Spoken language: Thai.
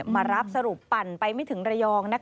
มารับสรุปปั่นไปไม่ถึงระยอง